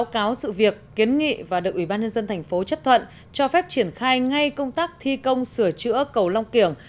báo cáo sự việc kiến nghị và được ủy ban nhân dân thành phố chấp thuận cho phép triển khai ngay công tác thi công sửa chữa cầu long kiểng